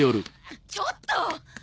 ちょっと！